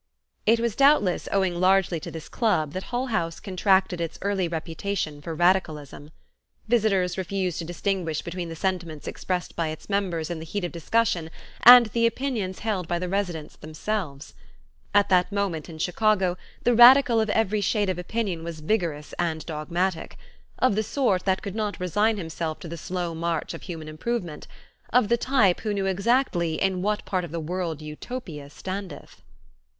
It was doubtless owing largely to this club that Hull House contracted its early reputation for radicalism. Visitors refused to distinguish between the sentiments expressed by its members in the heat of discussion and the opinions held by the residents themselves. At that moment in Chicago the radical of every shade of opinion was vigorous and dogmatic; of the sort that could not resign himself to the slow march of human improvement; of the type who knew exactly "in what part of the world Utopia standeth."